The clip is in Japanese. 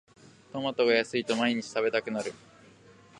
トマトが安いと毎日食べたくなる